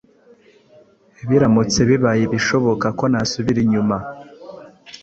Biramutse bibaye ibishoboka ko nasubira inyuma